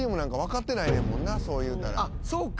あっそうか。